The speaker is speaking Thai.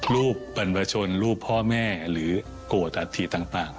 รูปบรรพชนรูปพ่อแม่หรือโกรธอัฐิต่าง